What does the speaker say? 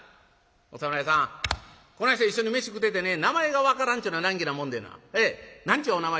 お侍さんこないして一緒に飯食うててね名前が分からんちゅうのは難儀なもんでな何ちゅうお名前です？